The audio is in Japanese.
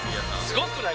すごくない？